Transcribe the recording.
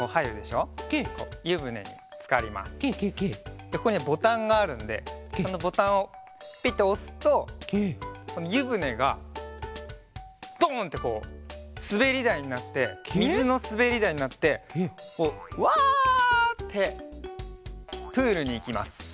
でここにはボタンがあるんでそのボタンをピッておすとこのゆぶねがドンってこうすべりだいになってみずのすべりだいになってこう「ワ！」ってプールにいきます。